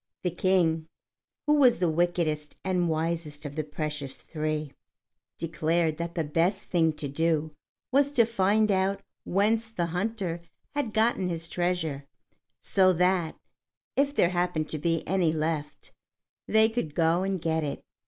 The King, who was the wickedest and wisest of the precious three, declared that the best thing to do was to find out whence the hunter had got his treasure, so that, if there happened to be any left, they could go and get it.